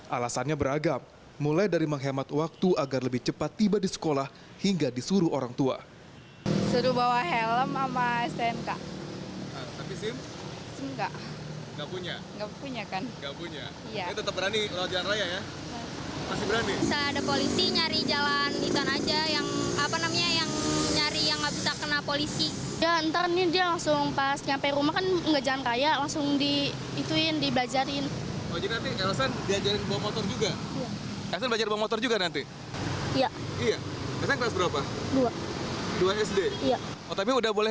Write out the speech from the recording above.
alasannya beragam mulai dari menghemat waktu agar lebih cepat tiba di sekolah hingga disuruh orang tua